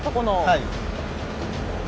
はい。